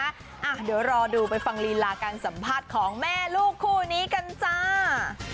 เดี๋ยวรอดูไปฟังลีลาการสัมภาษณ์ของแม่ลูกคู่นี้กันจ้า